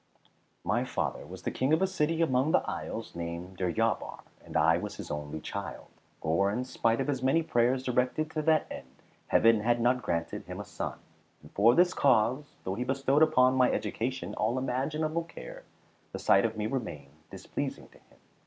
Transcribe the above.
] My father was the King of a city among the isles named Deryabar, and I was his only child; for, in spite of his many prayers directed to that end, Heaven had not granted him a son. And for this cause, though he bestowed upon my education all imaginable care, the sight of me remained displeasing to him.